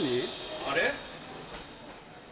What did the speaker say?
あれ？